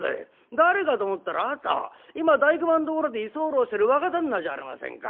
誰かと思ったらあなた今大熊んところで居候してる若旦那じゃありませんか。